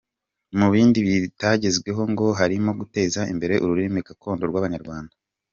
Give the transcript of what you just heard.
Mu bindi bitagezweho ngo harimo guteza imbere ururimi gakondo rw’Abanyarwanda.